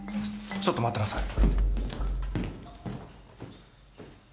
ちょっと待ってなさい。